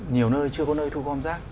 nhiều nơi chưa có nơi thu gom rác